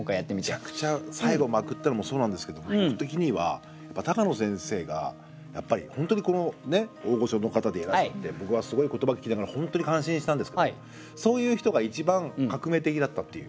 めちゃくちゃ最後まくったのもそうなんですけども僕的にはやっぱり高野先生がやっぱり本当に大御所の方でいらっしゃって僕はすごい言葉聞きながら本当に感心したんですけどそういう人が一番革命的だったっていう。